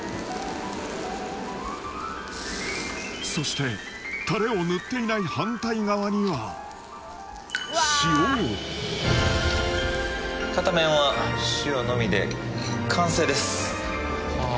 そしてタレを塗っていない反対側には片面は塩のみで完成です。